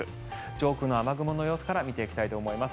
上空の雨雲の様子から見ていきたいと思います。